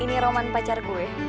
ini roman pacar gue